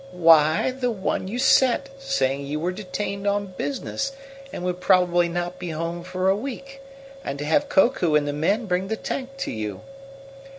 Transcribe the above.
"Why, the one you sent saying you were detained on business and would probably not be home for a week, and to have Koku and the men bring the tank to you."